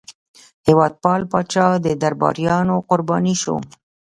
هېوادپال پاچا د درباریانو قرباني شو.